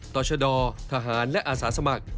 ต่อชดทหารและอาสาสมัคร